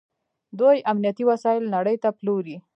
دوی امنیتي وسایل نړۍ ته پلوري.